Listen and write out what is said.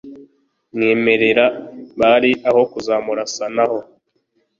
Mwemerera bari aho Kuzamurasanaho